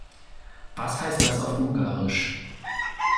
Was heißt das auf Ungarisch?